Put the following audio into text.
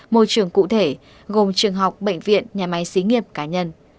môi trường cụ thể gồm trường học bệnh viện nhà máy xí nghiệp cá nhân